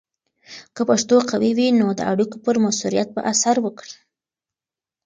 که پښتو قوي وي، نو د اړیکو پر مؤثریت به اثر وکړي.